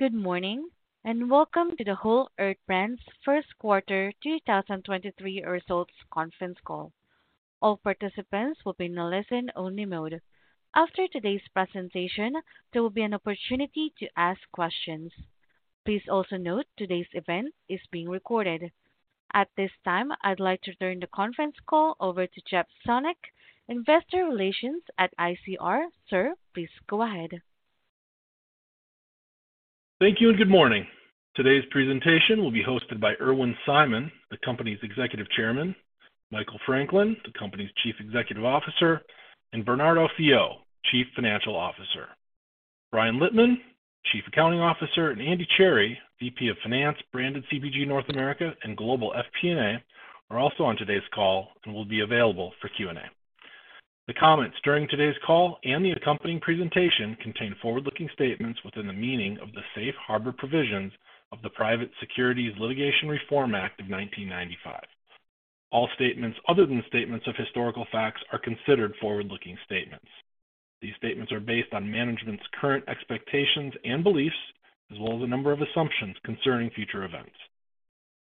Good morning, and welcome to the Whole Earth Brands first quarter 2023 results conference call. All participants will be in a listen-only mode. After today's presentation, there will be an opportunity to ask questions. Please also note today's event is being recorded. At this time, I'd like to turn the conference call over to Jeff Sonnek, Investor Relations at ICR. Sir, please go ahead. Thank you. Good morning. Today's presentation will be hosted by Irwin Simon, the company's Executive Chairman, Michael Franklin, the company's Chief Executive Officer, and Bernardo Fiaux, Chief Financial Officer. Brian Litman, Chief Accounting Officer, and Andy Cherry, VP of Finance, Branded CPG North America, and Global FP&A are also on today's call and will be available for Q&A. The comments during today's call and the accompanying presentation contain forward-looking statements within the meaning of the Safe Harbor provisions of the Private Securities Litigation Reform Act of 1995. All statements other than statements of historical facts are considered forward-looking statements. These statements are based on management's current expectations and beliefs as well as a number of assumptions concerning future events.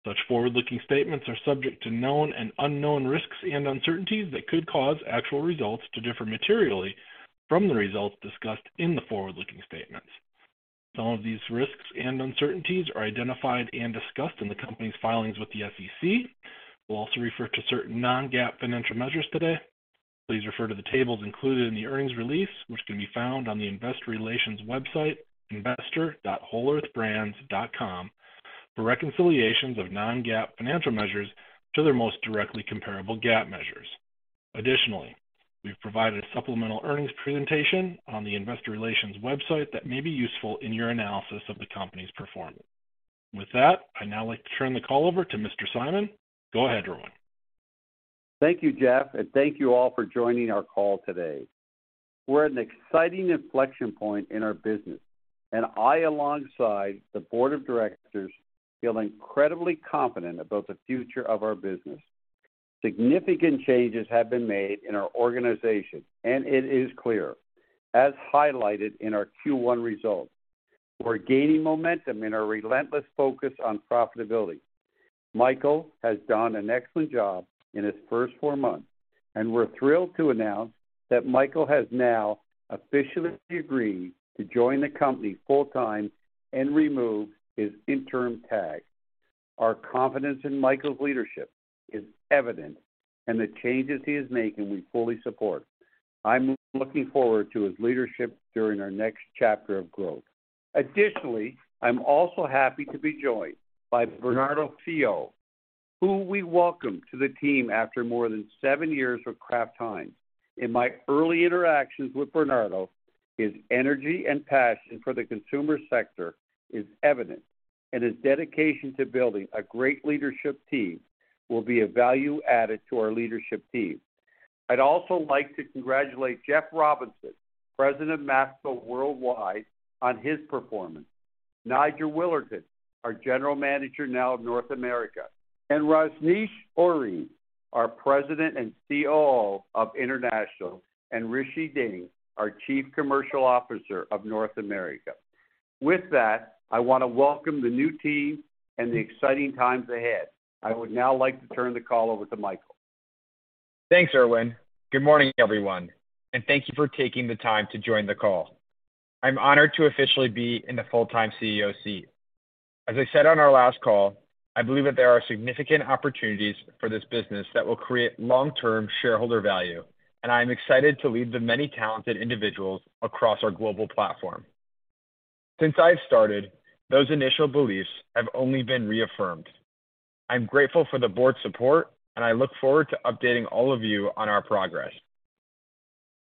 Such forward-looking statements are subject to known and unknown risks and uncertainties that could cause actual results to differ materially from the results discussed in the forward-looking statements. Some of these risks and uncertainties are identified and discussed in the company's filings with the SEC. We'll also refer to certain Non-GAAP financial measures today. Please refer to the tables included in the earnings release, which can be found on the investor relations website, investor.wholeearthbrands.com, for reconciliations of Non-GAAP financial measures to their most directly comparable GAAP measures. Additionally, we've provided a supplemental earnings presentation on the investor relations website that may be useful in your analysis of the company's performance. With that, I'd now like to turn the call over to Mr. Simon. Go ahead, Irwin. Thank you, Jeff. Thank you all for joining our call today. We're at an exciting inflection point in our business. I, alongside the board of directors, feel incredibly confident about the future of our business. Significant changes have been made in our organization. It is clear, as highlighted in our Q1 results, we're gaining momentum in our relentless focus on profitability. Michael has done an excellent job in his first four months. We're thrilled to announce that Michael has now officially agreed to join the company full time and remove his interim tag. Our confidence in Michael's leadership is evident. The changes he is making, we fully support. I'm looking forward to his leadership during our next chapter of growth. Additionally, I'm also happy to be joined by Bernardo Fiaux, who we welcome to the team after more than seven years with Kraft Heinz. In my early interactions with Bernardo, his energy and passion for the consumer sector is evident, his dedication to building a great leadership team will be a value added to our leadership team. I'd also like to congratulate Jeff Robinson, President of Mafco Worldwide, on his performance, Nigel Willerton, our General Manager now of North America, Rajnish Ohri, our President and COO of International, and Rishi Dhingra, our Chief Commercial Officer of North America. With that, I want to welcome the new team and the exciting times ahead. I would now like to turn the call over to Michael. Thanks, Irwin. Good morning, everyone. Thank you for taking the time to join the call. I'm honored to officially be in the full-time CEO seat. As I said on our last call, I believe that there are significant opportunities for this business that will create long-term shareholder value. I am excited to lead the many talented individuals across our global platform. Since I've started, those initial beliefs have only been reaffirmed. I'm grateful for the board's support. I look forward to updating all of you on our progress.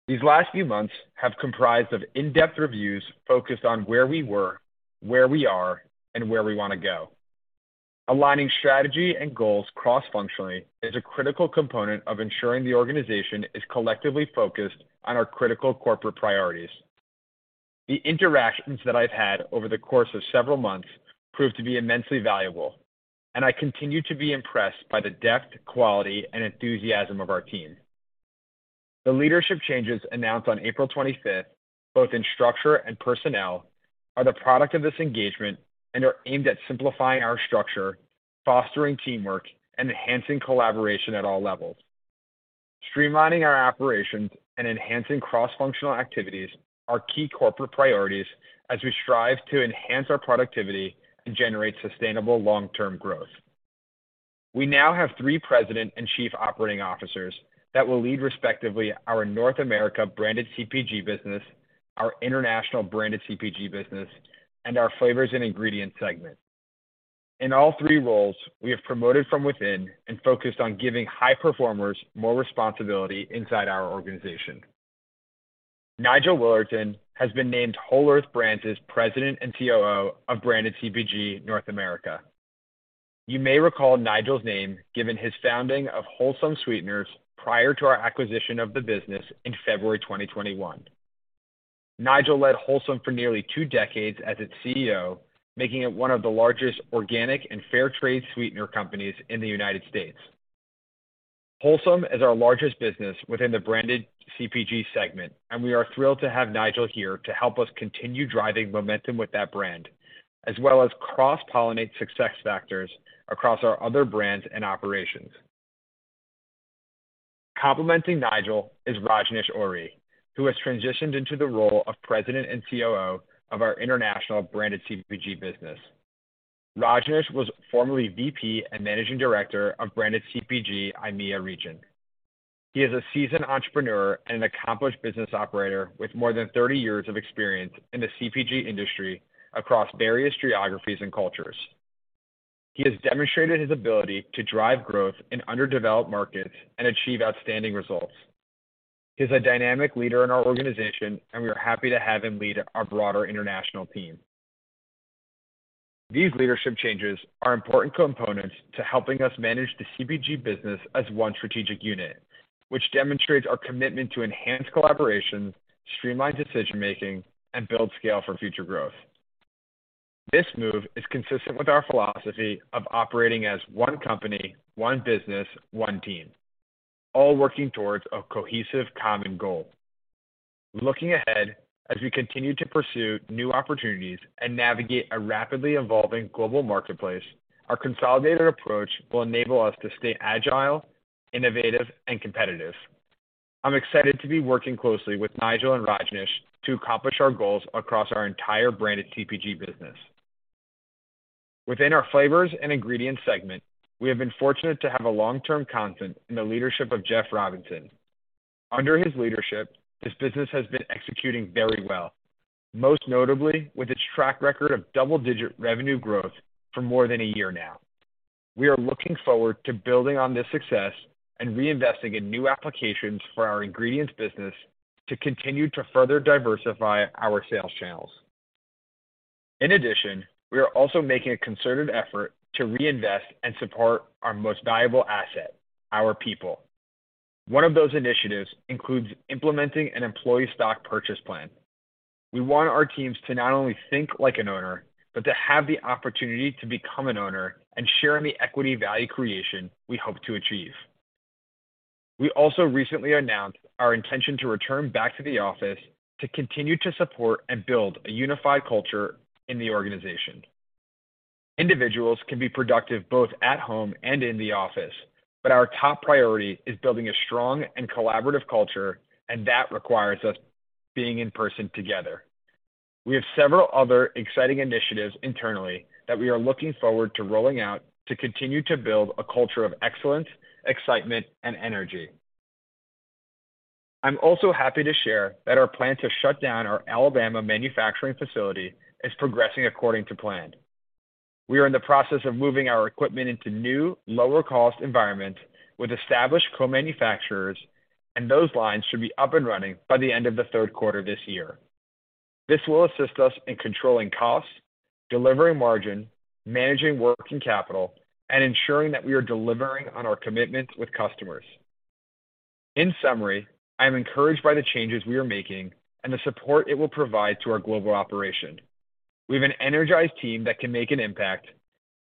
These last few months have comprised of in-depth reviews focused on where we were, where we are, and where we want to go. Aligning strategy and goals cross-functionally is a critical component of ensuring the organization is collectively focused on our critical corporate priorities. The interactions that I've had over the course of several months proved to be immensely valuable, and I continue to be impressed by the depth, quality, and enthusiasm of our team. The leadership changes announced on April 25th, both in structure and personnel, are the product of this engagement and are aimed at simplifying our structure, fostering teamwork, and enhancing collaboration at all levels. Streamlining our operations and enhancing cross-functional activities are key corporate priorities as we strive to enhance our productivity and generate sustainable long-term growth. We now have three President and Chief Operating Officers that will lead respectively our North America Branded CPG business, our International Branded CPG business, and our Flavors and Ingredients segment. In all three roles, we have promoted from within and focused on giving high performers more responsibility inside our organization. Nigel Willerton has been named Whole Earth Brands' President and COO of Branded CPG North America. You may recall Nigel's name given his founding of Wholesome Sweeteners prior to our acquisition of the business in February 2021. Nigel led Wholesome for nearly two decades as its CEO, making it one of the largest organic and fair trade sweetener companies in the United States. Wholesome is our largest business within the Branded CPG segment, and we are thrilled to have Nigel here to help us continue driving momentum with that brand, as well as cross-pollinate success factors across our other brands and operations. Complementing Nigel is Rajnish Ohri, who has transitioned into the role of President and COO of our international Branded CPG business. Rajnish was formerly VP and Managing Director of Branded CPG EMEA region. He is a seasoned entrepreneur and an accomplished business operator with more than 30 years of experience in the CPG industry across various geographies and cultures. He has demonstrated his ability to drive growth in underdeveloped markets and achieve outstanding results. He's a dynamic leader in our organization, and we are happy to have him lead our broader international team. These leadership changes are important components to helping us manage the CPG business as one strategic unit, which demonstrates our commitment to enhance collaboration, streamline decision-making, and build scale for future growth. This move is consistent with our philosophy of operating as one company, one business, one team, all working towards a cohesive common goal. Looking ahead, as we continue to pursue new opportunities and navigate a rapidly evolving global marketplace, our consolidated approach will enable us to stay agile, innovative, and competitive. I'm excited to be working closely with Nigel and Rajnish to accomplish our goals across our entire branded CPG business. Within our Flavors & Ingredients segment, we have been fortunate to have a long-term content in the leadership of Jeff Robinson. Under his leadership, this business has been executing very well, most notably with its track record of double-digit revenue growth for more than a year now. We are looking forward to building on this success and reinvesting in new applications for our ingredients business to continue to further diversify our sales channels. In addition, we are also making a concerted effort to reinvest and support our most valuable asset, our people. One of those initiatives includes implementing an employee stock purchase plan. We want our teams to not only think like an owner, but to have the opportunity to become an owner and share in the equity value creation we hope to achieve. We also recently announced our intention to return back to the office to continue to support and build a unified culture in the organization. Individuals can be productive both at home and in the office, but our top priority is building a strong and collaborative culture, and that requires us being in person together. We have several other exciting initiatives internally that we are looking forward to rolling out to continue to build a culture of excellence, excitement, and energy. I'm also happy to share that our plan to shut down our Alabama manufacturing facility is progressing according to plan. We are in the process of moving our equipment into new, lower cost environment with established co-manufacturers, and those lines should be up and running by the end of the third quarter this year. This will assist us in controlling costs, delivering margin, managing working capital, and ensuring that we are delivering on our commitments with customers. In summary, I am encouraged by the changes we are making and the support it will provide to our global operation. We have an energized team that can make an impact.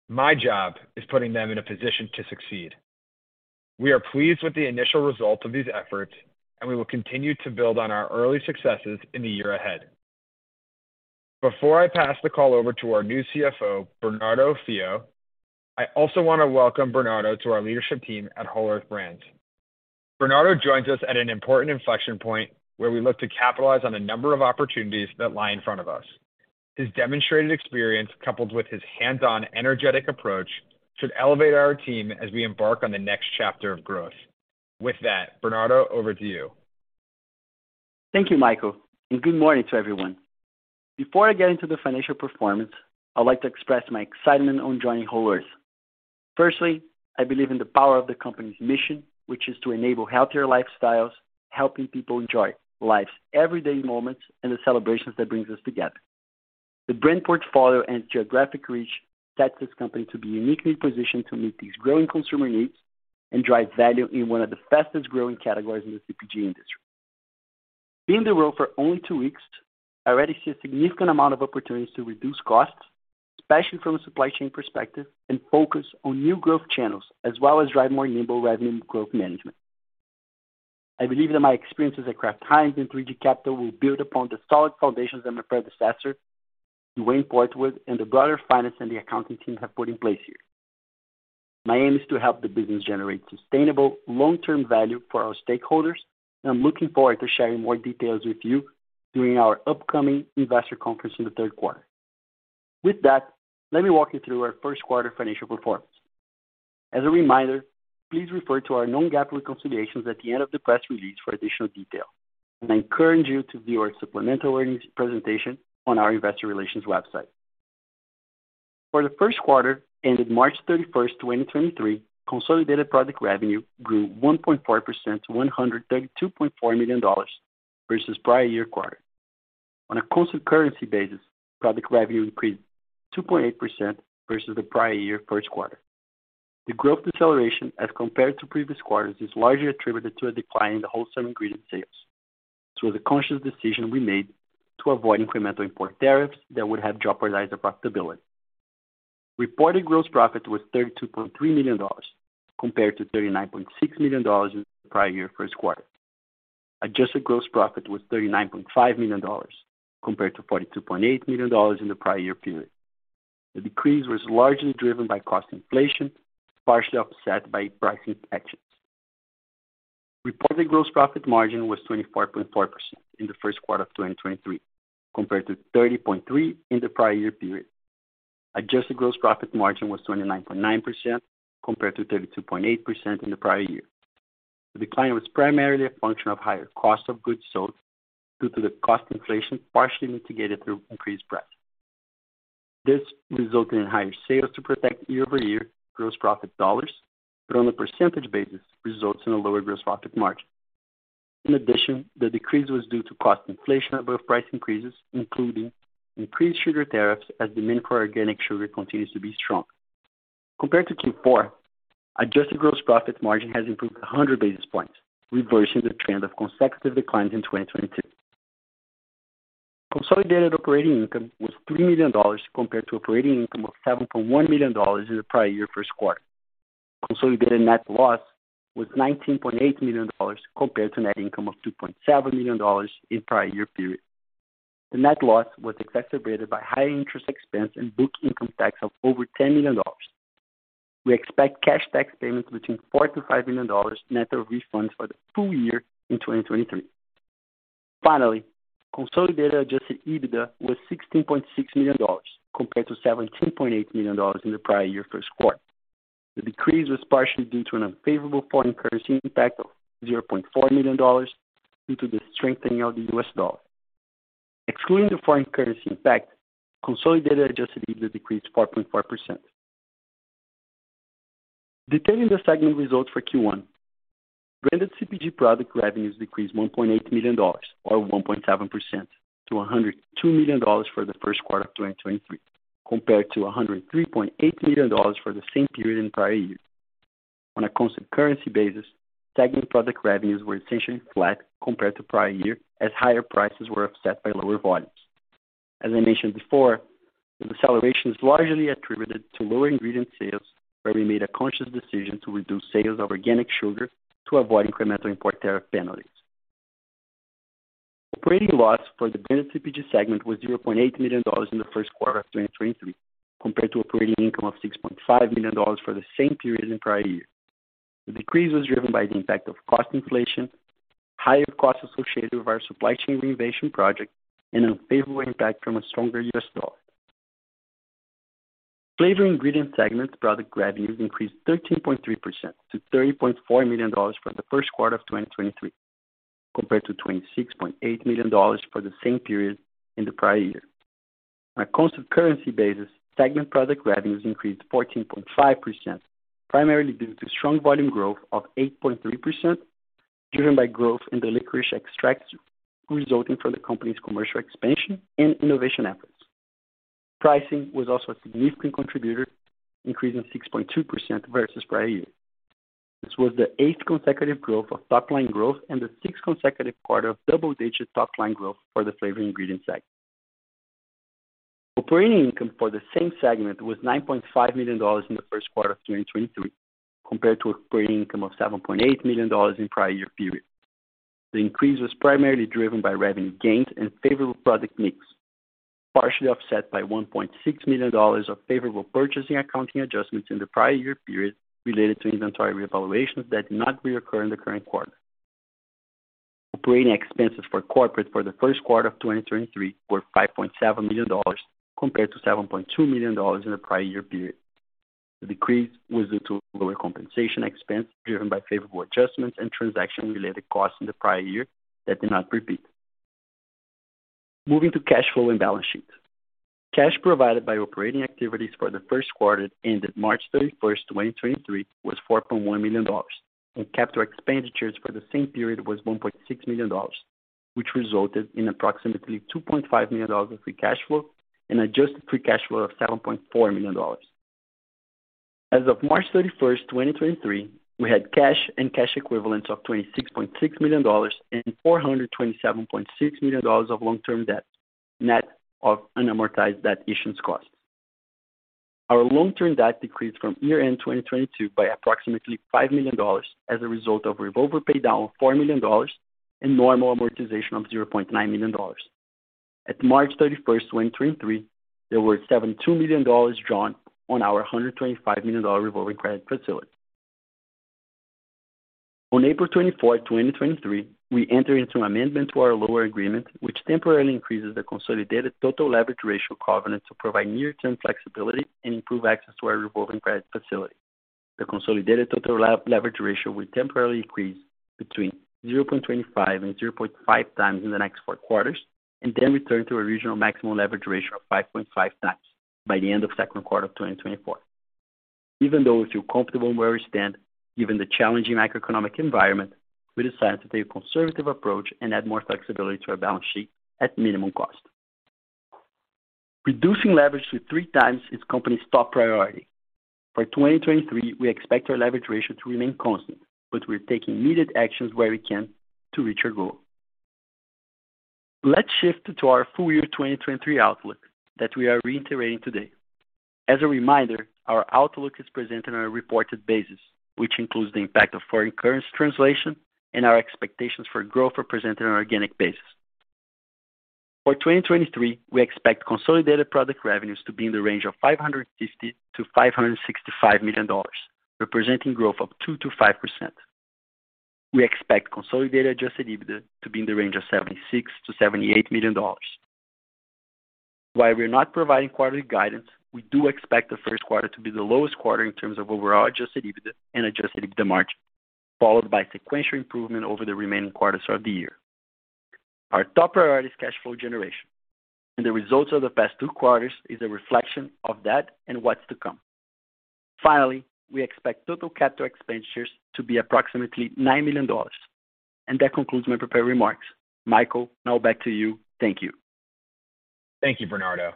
My job is putting them in a position to succeed. We are pleased with the initial result of these efforts, and we will continue to build on our early successes in the year ahead. Before I pass the call over to our new CFO, Bernardo Fiaux, I also want to welcome Bernardo to our leadership team at Whole Earth Brands. Bernardo joins us at an important inflection point where we look to capitalize on the number of opportunities that lie in front of us. His demonstrated experience, coupled with his hands-on energetic approach, should elevate our team as we embark on the next chapter of growth. Bernardo, over to you. Thank you, Michael, and good morning to everyone. Before I get into the financial performance, I'd like to express my excitement on joining Whole Earth. Firstly, I believe in the power of the company's mission, which is to enable healthier lifestyles, helping people enjoy life's everyday moments and the celebrations that brings us together. The brand portfolio and geographic reach sets this company to be uniquely positioned to meet these growing consumer needs and drive value in one of the fastest-growing categories in the CPG industry. Being in the role for only two weeks, I already see a significant amount of opportunities to reduce costs, especially from a supply chain perspective, and focus on new growth channels, as well as drive more nimble revenue growth management. I believe that my experiences at Kraft Heinz and 3G Capital will build upon the solid foundations that my predecessor, Duane Portwood, and the broader finance and the accounting team have put in place here. My aim is to help the business generate sustainable long-term value for our stakeholders, and I'm looking forward to sharing more details with you during our upcoming investor conference in the third quarter. With that, let me walk you through our first quarter financial performance. As a reminder, please refer to our Non-GAAP reconciliations at the end of the press release for additional detail. I encourage you to view our supplemental earnings presentation on our investor relations website. For the first quarter ended March 31st, 2023, consolidated product revenue grew 1.4% to $132.4 million versus prior year quarter. On a constant currency basis, product revenue increased 2.8% versus the prior year first quarter. The growth deceleration as compared to previous quarters is largely attributed to a decline in the wholesale ingredient sales. This was a conscious decision we made to avoid incremental import tariffs that would have jeopardized the profitability. Reported gross profit was $32.3 million compared to $39.6 million in the prior year first quarter. Adjusted gross profit was $39.5 million compared to $42.8 million in the prior year period. The decrease was largely driven by cost inflation, partially offset by pricing actions. Reported gross profit margin was 24.4% in the first quarter of 2023 compared to 30.3% in the prior year period. Adjusted gross profit margin was 29.9% compared to 32.8% in the prior year. The decline was primarily a function of higher cost of goods sold due to the cost inflation partially mitigated through increased price. This resulted in higher sales to protect year-over-year gross profit dollars, but on a percentage basis results in a lower gross profit margin. In addition, the decrease was due to cost inflation above price increases, including increased sugar tariffs as demand for organic sugar continues to be strong. Compared to Q4, adjusted gross profit margin has improved 100 basis points, reversing the trend of consecutive declines in 2022. Consolidated operating income was $3 million compared to operating income of $7.1 million in the prior year first quarter. Consolidated net loss was $19.8 million compared to net income of $2.7 million in prior year period. The net loss was exacerbated by higher interest expense and book income tax of over $10 million. We expect cash tax payments between $4 million-$5 million net of refunds for the full year in 2023. Finally, consolidated adjusted EBITDA was $16.6 million compared to $17.8 million in the prior year first quarter. The decrease was partially due to an unfavorable foreign currency impact of $0.4 million due to the strengthening of the US dollar. Excluding the foreign currency impact, consolidated adjusted EBITDA decreased 4.4%. Detailing the segment results for Q1. Branded CPG product revenues decreased $1.8 million, or 1.7% to $102 million for the first quarter of 2023, compared to $103.8 million for the same period in prior year. On a constant currency basis, segment product revenues were essentially flat compared to prior year as higher prices were offset by lower volumes. As I mentioned before, the deceleration is largely attributed to lower ingredient sales, where we made a conscious decision to reduce sales of organic sugar to avoid incremental import tariff penalties. Operating loss for the Branded CPG segment was $0.8 million in the first quarter of 2023, compared to operating income of $6.5 million for the same period in prior year. The decrease was driven by the impact of cost inflation, higher costs associated with our supply chain renovation project, and an unfavorable impact from a stronger US dollar. Flavors & Ingredients segment product revenues increased 13.3% to $30.4 million for the first quarter of 2023, compared to $26.8 million for the same period in the prior year. On a constant currency basis, segment product revenues increased 14.5%, primarily due to strong volume growth of 8.3%, driven by growth in the licorice extracts resulting from the company's commercial expansion and innovation efforts. Pricing was also a significant contributor, increasing 6.2% versus prior year. This was the eighth consecutive growth of top-line growth and the sixth consecutive quarter of double-digit top-line growth for the Flavors & Ingredients segment. Operating income for the same segment was $9.5 million in the first quarter of 2023, compared to operating income of $7.8 million in prior year period. The increase was primarily driven by revenue gains and favorable product mix, partially offset by $1.6 million of favorable purchasing accounting adjustments in the prior year period related to inventory revaluations that did not reoccur in the current quarter. Operating expenses for corporate for the first quarter of 2023 were $5.7 million compared to $7.2 million in the prior year period. The decrease was due to lower compensation expense driven by favorable adjustments and transaction-related costs in the prior year that did not repeat. Moving to cash flow and balance sheets. Cash provided by operating activities for the first quarter that ended March 31st, 2023 was $4.1 million, and capital expenditures for the same period was $1.6 million, which resulted in approximately $2.5 million of free cash flow and adjusted free cash flow of $7.4 million. As of March 31st, 2023, we had cash and cash equivalents of $26.6 million and $427.6 million of long-term debt, net of unamortized debt issuance cost. Our long-term debt decreased from year-end 2022 by approximately $5 million as a result of revolver pay down of $4 million and normal amortization of $0.9 million. At March 31st, 2023, there were $72 million drawn on our $125 million revolving credit facility. On April 24th, 2023, we entered into amendment to our loan agreement, which temporarily increases the consolidated total leverage ratio covenant to provide near-term flexibility and improve access to our revolving credit facility. The consolidated total leverage ratio will temporarily increase between 0.25x and 0.5x in the next four quarters and then return to original maximum leverage ratio of 5.5x by the end of second quarter of 2024. Even though we feel comfortable where we stand, given the challenging macroeconomic environment, we decided to take a conservative approach and add more flexibility to our balance sheet at minimum cost. Reducing leverage to 3x is company's top priority. For 2023, we expect our leverage ratio to remain constant, but we're taking immediate actions where we can to reach our goal. Let's shift to our full year 2023 outlook that we are reiterating today. As a reminder, our outlook is presented on a reported basis, which includes the impact of foreign currency translation and our expectations for growth represented on an organic basis. For 2023, we expect consolidated product revenues to be in the range of $550 million-$565 million, representing growth of 2%-5%. We expect consolidated adjusted EBITDA to be in the range of $76 million-$78 million. While we're not providing quarterly guidance, we do expect the first quarter to be the lowest quarter in terms of overall adjusted EBITDA and adjusted EBITDA margin, followed by sequential improvement over the remaining quarters of the year. Our top priority is cash flow generation, and the results of the past two quarters is a reflection of that and what's to come. Finally, we expect total capital expenditures to be approximately $9 million. That concludes my prepared remarks. Michael, now back to you. Thank you. Thank you, Bernardo.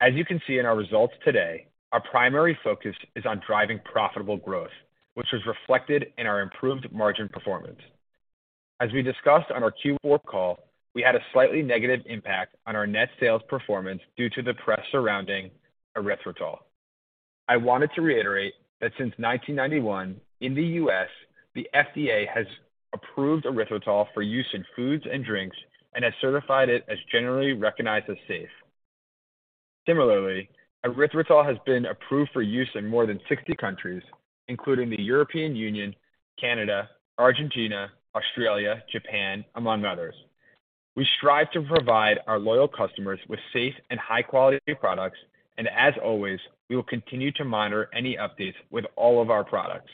As you can see in our results today, our primary focus is on driving profitable growth, which was reflected in our improved margin performance. As we discussed on our Q4 call, we had a slightly negative impact on our net sales performance due to the press surrounding erythritol. I wanted to reiterate that since 1991, in the U.S., the FDA has approved erythritol for use in foods and drinks and has certified it as generally recognized as safe. Similarly, erythritol has been approved for use in more than 60 countries, including the European Union, Canada, Argentina, Australia, Japan, among others. We strive to provide our loyal customers with safe and high-quality products, and as always, we will continue to monitor any updates with all of our products.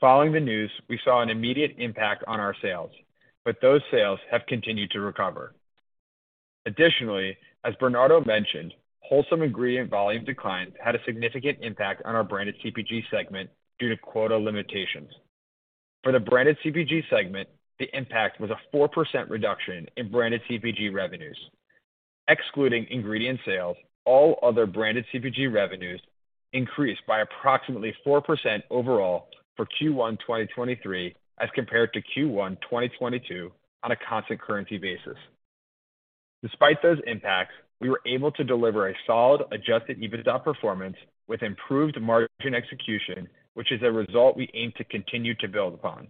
Following the news, we saw an immediate impact on our sales, but those sales have continued to recover. Additionally, as Bernardo mentioned, Wholesome ingredient volume decline had a significant impact on our Branded CPG segment due to quota limitations. For the Branded CPG segment, the impact was a 4% reduction in Branded CPG revenues. Excluding ingredient sales, all other Branded CPG revenues increased by approximately 4% overall for Q1 2023 as compared to Q1 2022 on a constant currency basis. Despite those impacts, we were able to deliver a solid adjusted EBITDA performance with improved margin execution, which is a result we aim to continue to build upon.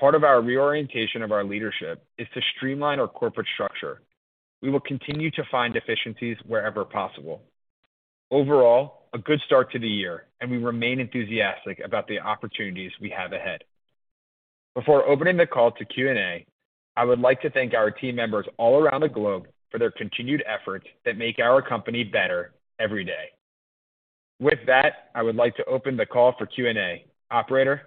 Part of our reorientation of our leadership is to streamline our corporate structure. We will continue to find efficiencies wherever possible. Overall, a good start to the year and we remain enthusiastic about the opportunities we have ahead. Before opening the call to Q&A, I would like to thank our team members all around the globe for their continued efforts that make our company better every day. With that, I would like to open the call for Q&A. Operator?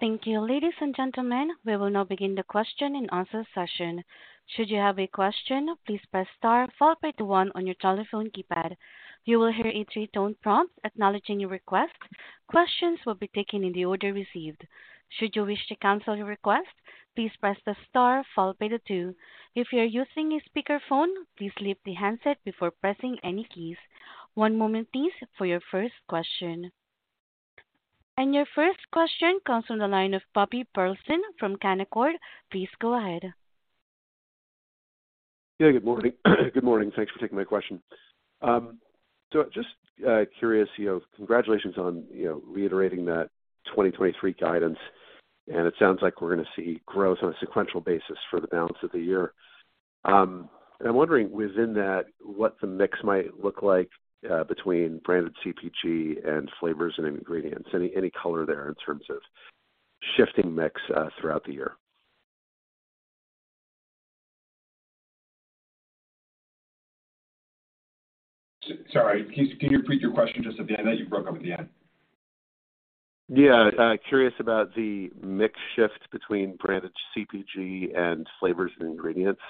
Thank you. Ladies and gentlemen, we will now begin the question and answer session. Should you have a question, please press star followed by the one on your telephone keypad. You will hear a three-tone prompt acknowledging your request. Questions will be taken in the order received. Should you wish to cancel your request, please press the star followed by the two. If you are using a speakerphone, please lift the handset before pressing any keys. One moment please for your first question. Your first question comes from the line of Bobby Burleson from Canaccord. Please go ahead. Good morning. Good morning. Thanks for taking my question. Just curious, you know, congratulations on, you know, reiterating that 2023 guidance, and it sounds like we're gonna see growth on a sequential basis for the balance of the year. I'm wondering within that, what the mix might look like between Branded CPG and Flavors & Ingredients. Any color there in terms of shifting mix throughout the year? Sorry, can you repeat your question, just at the end there? You broke up at the end. Yeah. Curious about the mix shift between Branded CPG and flavors and ingredients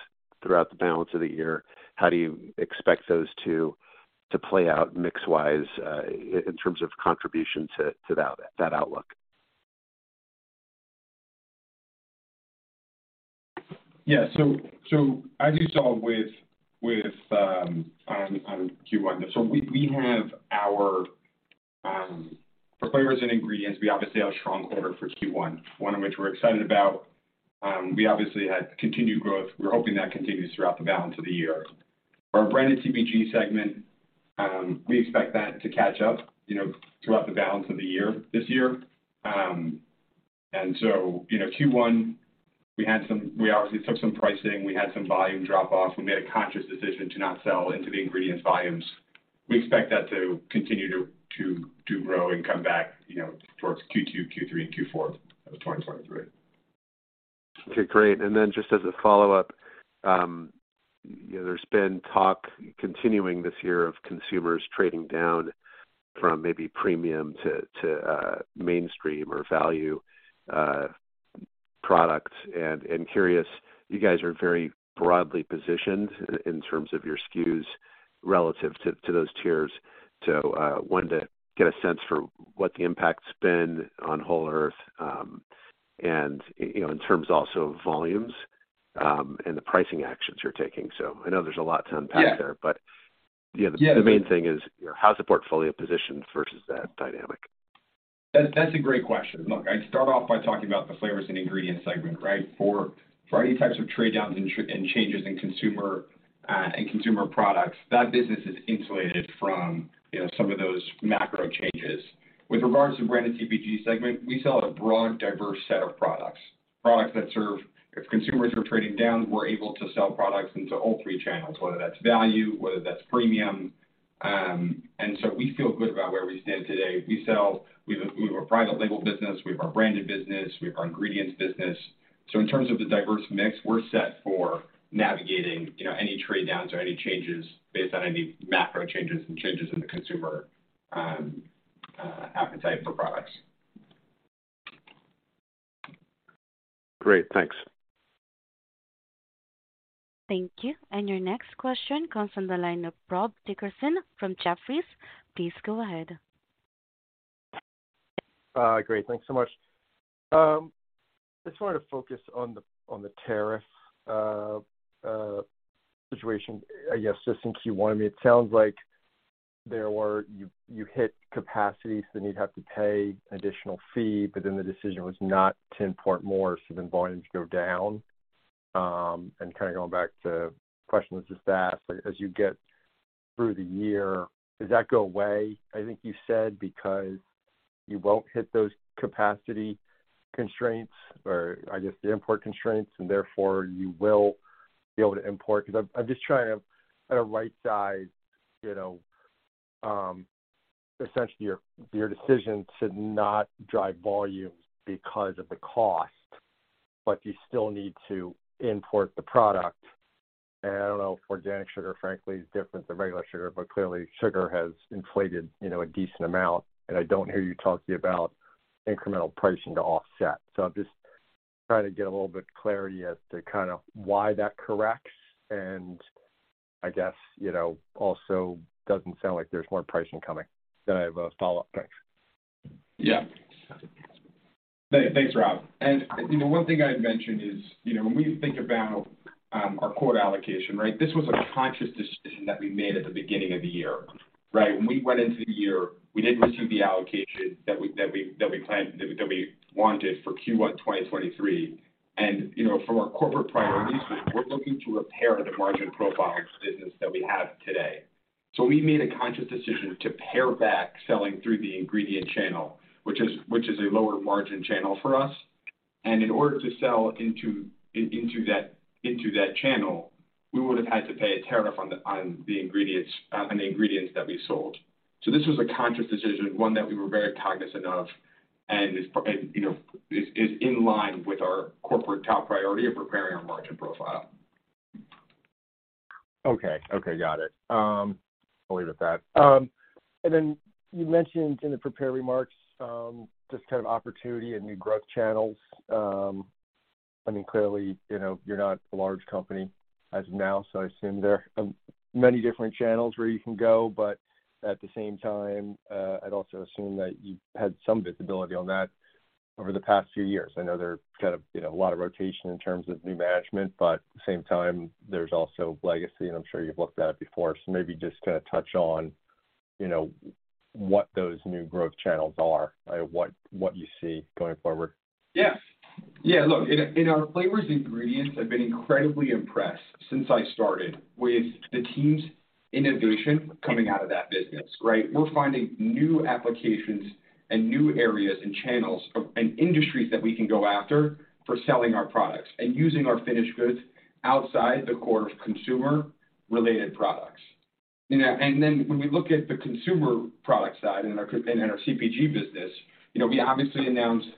throughout the balance of the year. How do you expect those two to play out mix wise, in terms of contribution to that outlook? Yeah. As you saw with, on Q1, we have our, for Flavors & Ingredients, we obviously had a strong quarter for Q1, one of which we're excited about. We obviously had continued growth. We're hoping that continues throughout the balance of the year. For our Branded CPG segment, we expect that to catch up, you know, throughout the balance of the year this year. So, you know, Q1 we had some we obviously took some pricing. We had some volume drop off. We made a conscious decision to not sell into the ingredient volumes. We expect that to continue to grow and come back, you know, towards Q2, Q3, and Q4 of 2023. Okay, great. Then just as a follow-up, you know, there's been talk continuing this year of consumers trading down from maybe premium to mainstream or value products. Curious, you guys are very broadly positioned in terms of your SKUs relative to those tiers. Wanted to get a sense for what the impact's been on Whole Earth, you know, in terms also of volumes and the pricing actions you're taking. I know there's a lot to unpack there. Yeah. You know. Yeah. The main thing is how's the portfolio positioned versus that dynamic? That's a great question. Look, I'd start off by talking about the flavors and ingredients segment, right? For variety types of trade downs and changes in consumer and consumer products, that business is insulated from, you know, some of those macro changes. With regards to Branded CPG segment, we sell a broad, diverse set of products. Products that serve. If consumers are trading down, we're able to sell products into all three channels, whether that's value, whether that's premium. We feel good about where we stand today. We have a private label business, we have our branded business, we have our ingredients business. In terms of the diverse mix, we're set for navigating, you know, any trade downs or any changes based on any macro changes and changes in the consumer appetite for products. Great. Thanks. Thank you. Your next question comes from the line of Rob Dickerson from Jefferies. Please go ahead. Great. Thanks so much. I just wanted to focus on the tariff situation, I guess, just in Q1. I mean, it sounds like you hit capacity, so then you'd have to pay an additional fee, but then the decision was not to import more, so then volumes go down. Kinda going back to questions just asked, as you get through the year, does that go away? I think you said because you won't hit those capacity constraints or, I guess, the import constraints, and therefore you will be able to import. 'Cause I'm just trying to, kinda, right size, you know, essentially your decision to not drive volumes because of the cost, but you still need to import the product. I don't know if organic sugar, frankly, is different than regular sugar, but clearly sugar has inflated, you know, a decent amount, and I don't hear you talking about incremental pricing to offset. I'm just trying to get a little bit clarity as to kind of why that corrects and, I guess, you know, also doesn't sound like there's more pricing coming. I have a follow-up. Thanks. Yeah. Thanks, Rob. You know, one thing I'd mention is, you know, when we think about our quota allocation, right? This was a conscious decision that we made at the beginning of the year, right? When we went into the year, we didn't receive the allocation that we planned, that we wanted for Q1 2023. You know, from our corporate priorities, we're looking to repair the margin profile of the business that we have today. We made a conscious decision to pare back selling through the ingredient channel, which is a lower margin channel for us. In order to sell into that channel, we would have had to pay a tariff on the ingredients, on the ingredients that we sold. This was a conscious decision, one that we were very cognizant of, you know, is in line with our corporate top priority of repairing our margin profile. Okay. Okay, got it. I'll leave it at that. You mentioned in the prepared remarks, this kind of opportunity and new growth channels. I mean, clearly, you know, you're not a large company as of now, so I assume there are many different channels where you can go. At the same time, I'd also assume that you've had some visibility on that over the past few years. I know there are kind of, you know, a lot of rotation in terms of new management, but at the same time, there's also legacy, and I'm sure you've looked at it before. Maybe just to touch on, you know, what those new growth channels are. What you see going forward. Yeah. Yeah, look, in our Flavors & Ingredients, I've been incredibly impressed since I started with the team's innovation coming out of that business, right? We're finding new applications and new areas and channels and industries that we can go after for selling our products and using our finished goods outside the core consumer-related products. You know, and then when we look at the consumer product side and our CPG business, you know, we obviously announced,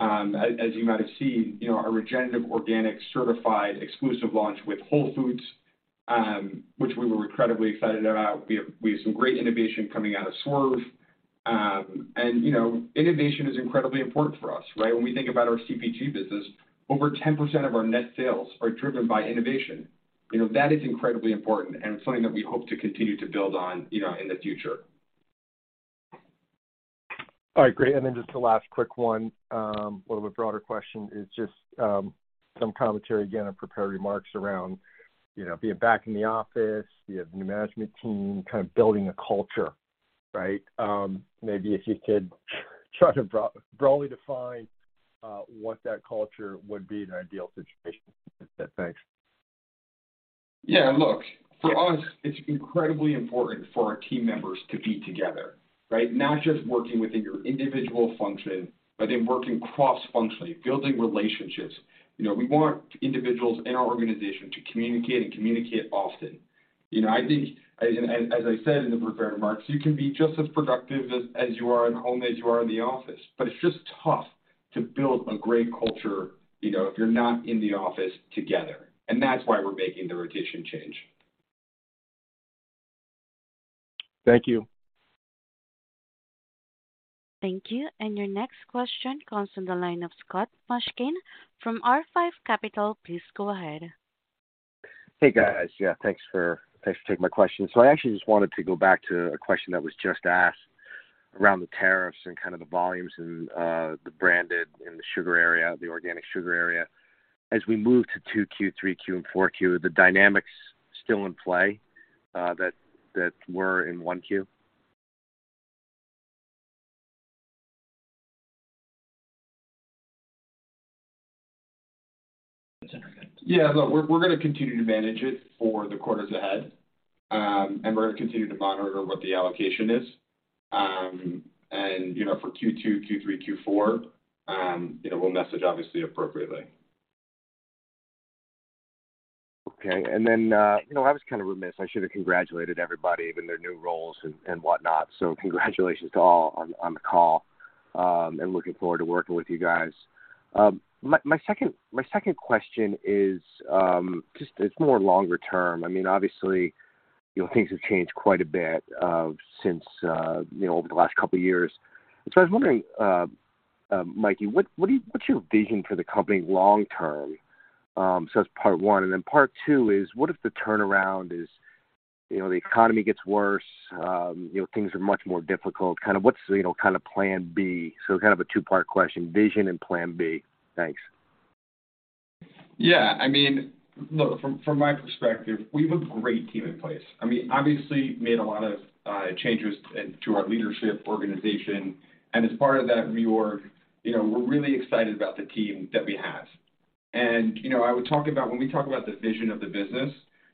as you might have seen, you know, our Regenerative Organic Certified exclusive launch with Whole Foods, which we were incredibly excited about. We have some great innovation coming out of Swerve. You know, innovation is incredibly important for us, right? When we think about our CPG business, over 10% of our net sales are driven by innovation. You know, that is incredibly important and something that we hope to continue to build on, you know, in the future. All right, great. Just a last quick one. A little bit broader question is just some commentary again on prepared remarks around, you know, being back in the office. You have a new management team, kind of building a culture, right? Maybe if you could try to broadly define what that culture would be in an ideal situation. Thanks. Look, for us, it's incredibly important for our team members to be together, right? Not just working within your individual function, but in working cross-functionally, building relationships. You know, we want individuals in our organization to communicate and communicate often. You know, I think as I said in the prepared remarks, you can be just as productive as you are at home as you are in the office. It's just tough to build a great culture, you know, if you're not in the office together. That's why we're making the rotation change. Thank you. Thank you. Your next question comes from the line of Scott Mushkin from R5 Capital. Please go ahead. Hey, guys. Yeah, thanks for taking my question. I actually just wanted to go back to a question that was just asked around the tariffs and kind of the volumes and the Branded and the organic sugar area. As we move to 2Q, 3Q, and 4Q, the dynamics still in play that were in 1Q? Yeah. Look, we're gonna continue to manage it for the quarters ahead. We're gonna continue to monitor what the allocation is. You know, for Q2, Q3, Q4, you know, we'll message obviously appropriately. Okay. You know, I was kind of remiss, I should have congratulated everybody in their new roles and whatnot. Congratulations to all on the call, and looking forward to working with you guys. My second question is, just it's more longer term. I mean, obviously, you know, things have changed quite a bit, since, you know, over the last couple years. I was wondering, Mikey, what's your vision for the company long term? That's part one. Part two is, what if the turnaround is, you know, the economy gets worse, you know, things are much more difficult. Kind of what's, you know, kind of plan B? Kind of a two-part question: vision and plan B. Thanks. Yeah. I mean, look, from my perspective, we have a great team in place. I mean, obviously made a lot of changes to our leadership organization. As part of that reorg, you know, we're really excited about the team that we have. You know, when we talk about the vision of the business,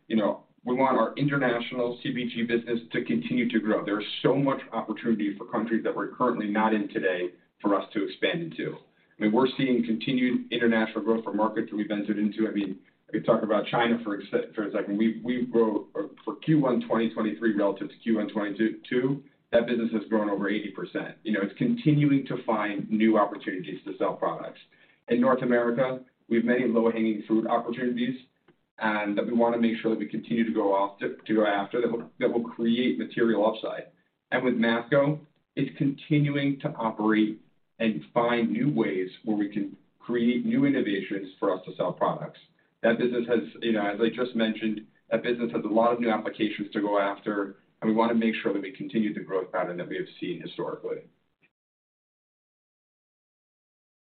you know, we want our international CPG business to continue to grow. There's so much opportunity for countries that we're currently not in today for us to expand into. I mean, we're seeing continued international growth from markets we've entered into. I mean, I could talk about China for a second. We've grown for Q1 2023 relative to Q1 2022, that business has grown over 80%. You know, it's continuing to find new opportunities to sell products. In North America, we have many low-hanging fruit opportunities that we wanna make sure that we continue to go after that will create material upside. With Mafco, it's continuing to operate and find new ways where we can create new innovations for us to sell products. That business has, you know, as I just mentioned, that business has a lot of new applications to go after. We wanna make sure that we continue the growth pattern that we have seen historically.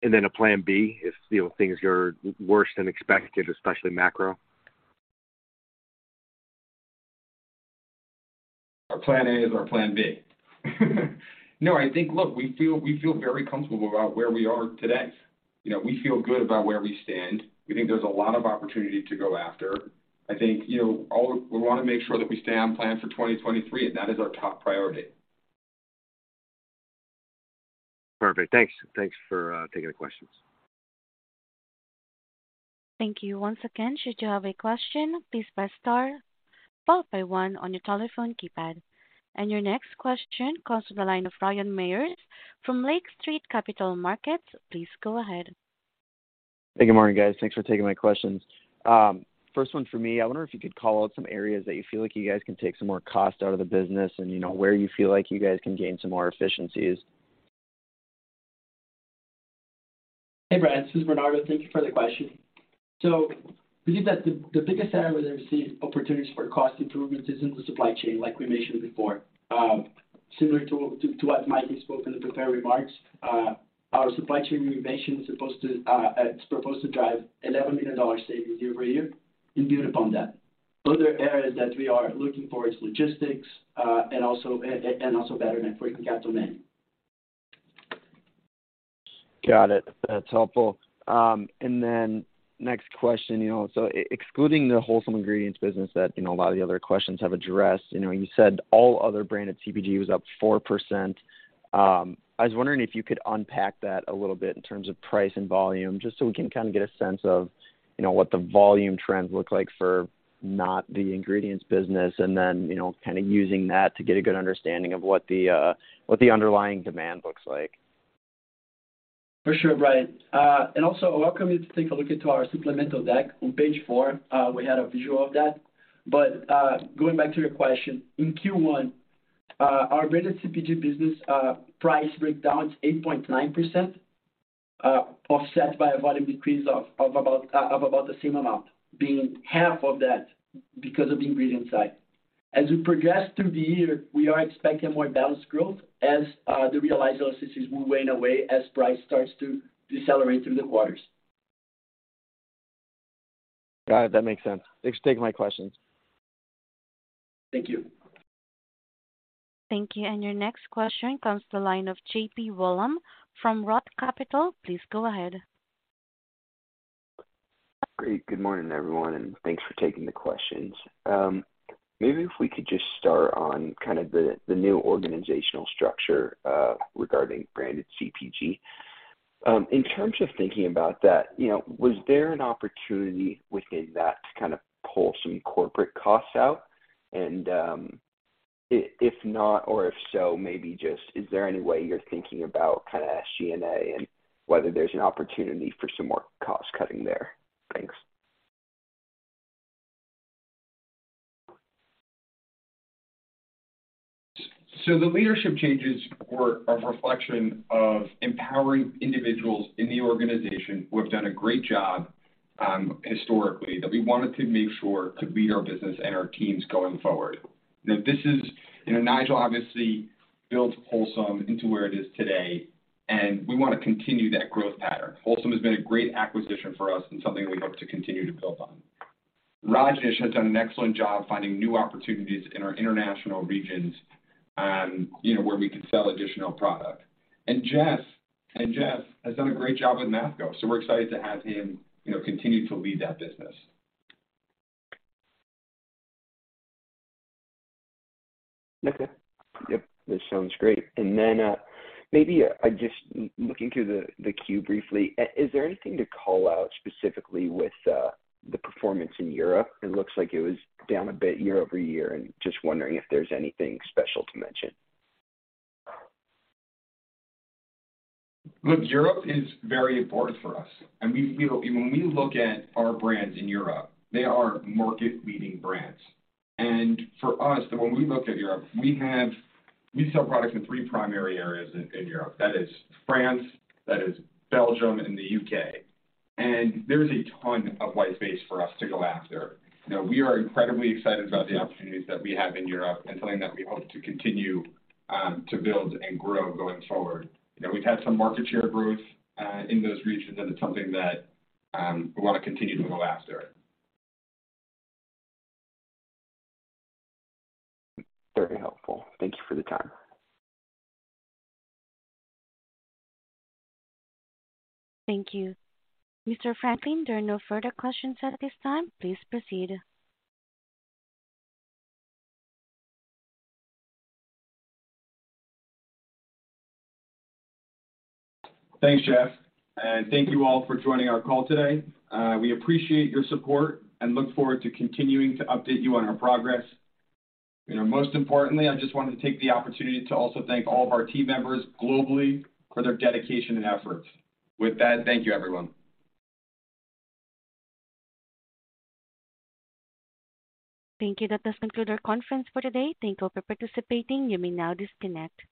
Then a plan B if, you know, things are worse than expected, especially macro. Our plan A is our plan B. No, I think, look, we feel very comfortable about where we are today. You know, we feel good about where we stand. We think there's a lot of opportunity to go after. I think, you know, we wanna make sure that we stay on plan for 2023. That is our top priority. Perfect. Thanks. Thanks for taking the questions. Thank you. Once again, should you have a question, please press star followed by one on your telephone keypad. Your next question comes to the line of Ryan Meyers from Lake Street Capital Markets. Please go ahead. Hey, good morning, guys. Thanks for taking my questions. First one for me. I wonder if you could call out some areas that you feel like you guys can take some more cost out of the business and, you know, where you feel like you guys can gain some more efficiencies. Hey, Brian. This is Bernardo. Thank you for the question. We think that the biggest area where there is the opportunities for cost improvements is in the supply chain, like we mentioned before. Similar to what Mikey spoke in the prepared remarks, our supply chain renovation is proposed to drive $11 million savings year-over-year and build upon that. Other areas that we are looking for is logistics, and also better network in capital management. Got it. That's helpful. Next question. You know, excluding the Wholesome Ingredients business that, you know, a lot of the other questions have addressed. You know, you said all other Branded CPG was up 4%. I was wondering if you could unpack that a little bit in terms of price and volume, just so we can kinda get a sense of, you know, what the volume trends look like for not the ingredients business, and then, you know, kinda using that to get a good understanding of what the underlying demand looks like. For sure, Brian. Also welcome you to take a look into our supplemental deck. On page 4, we had a visual of that. Going back to your question. In Q1, our Branded CPG business, price breakdown is 8.9%, offset by a volume decrease of about the same amount, being half of that because of the ingredient side. As we progress through the year, we are expecting more balanced growth as the realized LCCs will wane away as price starts to decelerate through the quarters. Got it. That makes sense. Thanks for taking my questions. Thank you. Thank you. your next question comes to the line of John-Paul Wollam from ROTH Capital Partners. Please go ahead. Great. Good morning, everyone, and thanks for taking the questions. Maybe if we could just start on kind of the new organizational structure regarding Branded CPG. In terms of thinking about that, you know, was there an opportunity within that to kind of pull some corporate costs out? If not or if so, maybe just is there any way you're thinking about kinda SG&A and whether there's an opportunity for some more cost-cutting there? Thanks. The leadership changes were a reflection of empowering individuals in the organization who have done a great job historically, that we wanted to make sure could lead our business and our teams going forward. You know, Nigel obviously built Wholesome into where it is today, and we wanna continue that growth pattern. Wholesome has been a great acquisition for us and something we hope to continue to build on. Rajesh has done an excellent job finding new opportunities in our international regions, you know, where we could sell additional product. Jeff has done a great job with Mafco, we're excited to have him, you know, continue to lead that business. Okay. Yep, this sounds great. Maybe I just looking through the queue briefly, is there anything to call out specifically with the performance in Europe? It looks like it was down a bit year-over-year, just wondering if there's anything special to mention? Look, Europe is very important for us. When we look at our brands in Europe, they are market-leading brands. For us, when we look at Europe, We sell products in three primary areas in Europe. That is France, that is Belgium, and the UK. There is a ton of white space for us to go after. You know, we are incredibly excited about the opportunities that we have in Europe and something that we hope to continue to build and grow going forward. You know, we've had some market share growth in those regions, and it's something that we wanna continue to go after. Very helpful. Thank you for the time. Thank you. Mr. Franklin, there are no further questions at this time. Please proceed. Thanks, Jeff. Thank you all for joining our call today. We appreciate your support and look forward to continuing to update you on our progress. You know, most importantly, I just wanted to take the opportunity to also thank all of our team members globally for their dedication and efforts. With that, thank you, everyone. Thank you. That does conclude our conference for today. Thank you all for participating. You may now disconnect.